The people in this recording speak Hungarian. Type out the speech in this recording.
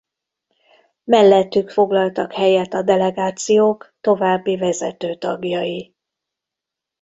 Mellettük foglaltak helyet a delegációk további vezető tagjai.